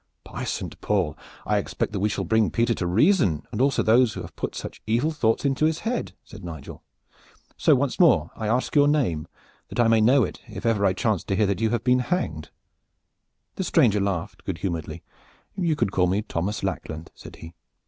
"By Saint Paul! I expect that we shall bring Peter to reason and also those who have put such evil thoughts into his head," said Nigel. "So once more I ask your name, that I may know it if ever I chance to hear that you have been hanged?" The stranger laughed good humoredly. "You can call me Thomas Lackland," said he.